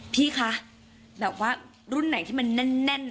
พี่คะแบบว่ารุ่นไหนที่มันแน่น